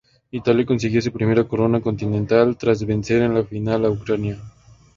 Italia consiguió su primera corona continental tras vencer en la final a Ucrania.